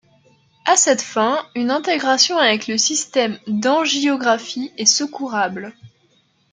À cette fin, une intégration avec le système d'angiographie est secourable.